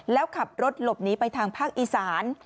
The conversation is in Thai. แล้วขับรถหลบหนีไปทางภาคอีสาน